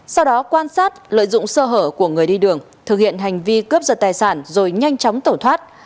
sau đó quan sát lợi dụng sơ hở của người đi đường thực hiện hành vi cướp giật tài sản rồi nhanh chóng tẩu thoát